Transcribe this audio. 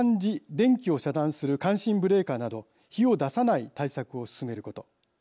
電気を遮断する感震ブレーカーなど火を出さない対策を進めること。